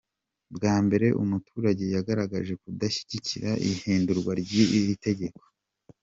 Bwa mbere umuturage yagaragaje kudashyigikira ihindurwa ry’iri tegeko.